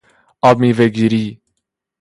آبمیوهگیری